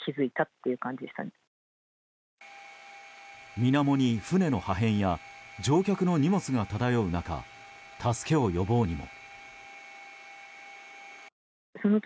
水面に船の破片や乗客の荷物が漂う中助けを呼ぼうにも。